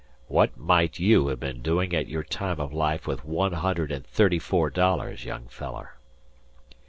"What might you have been doin' at your time o' life with one hundred an' thirty four dollars, young feller?"